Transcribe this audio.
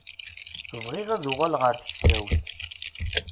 Bɣiɣ ad uɣaleɣ ar teksawt.